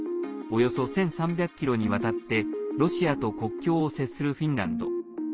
およそ１３００ｋｍにわたってロシアと国境を接するフィンランド。